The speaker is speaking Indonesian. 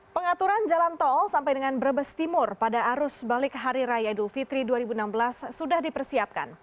pengaturan jalan tol sampai dengan brebes timur pada arus balik hari raya idul fitri dua ribu enam belas sudah dipersiapkan